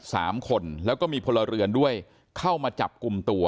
สามคนแล้วก็มีพลเรือนด้วยเข้ามาจับกลุ่มตัว